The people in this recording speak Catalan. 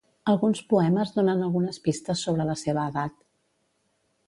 Alguns poemes donen algunes pistes sobre la seva edat.